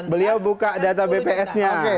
beliau buka data bps nya